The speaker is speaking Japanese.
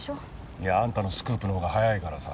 いやあんたのスクープのほうが早いからさ。